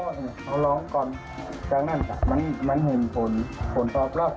เราลองก่อนจากนั้นมันเห็นผลตอบรับของลูกค้านี้